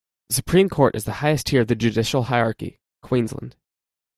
The Supreme Court is the highest tier of the judicial hierarchy Queensland.